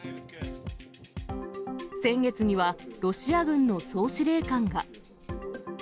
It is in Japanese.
先月には、ロシア軍の総司令官が。